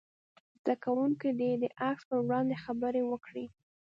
زده کوونکي دې د عکس په وړاندې خبرې وکړي.